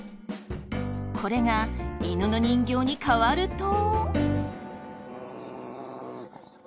これが犬の人形に変わると。